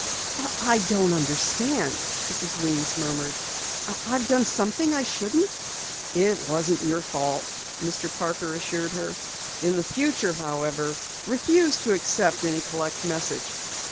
"I don't understand," Mrs. Weems murmured. "I've done something I shouldn't " "It was not your fault," Mr. Parker assured her. "In the future, however, refuse to accept any collect message."